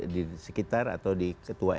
di sekitar atau di ketua